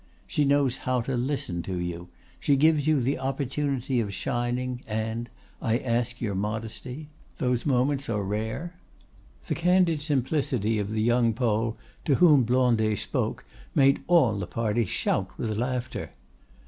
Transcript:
She knows how to listen to you; she gives you the opportunity of shining, and—I ask your modesty—those moments are rare?" The candid simplicity of the young Pole, to whom Blondet spoke, made all the party shout with laughter.